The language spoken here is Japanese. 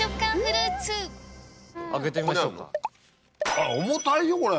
あら重たいよこれ。